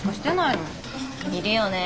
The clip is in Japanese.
いるよね。